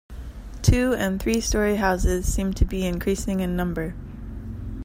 Two and three-storey houses seem to be increasing in number.